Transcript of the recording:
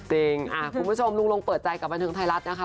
คุณผู้ชมลุงลงเปิดใจกับบันเทิงไทยรัฐนะคะ